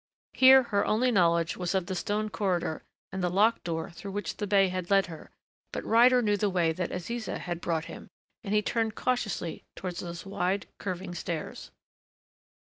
Here her only knowledge was of the stone corridor and the locked door through which the bey had led her, but Ryder knew the way that Aziza had brought him and he turned cautiously toward those wide, curving stairs.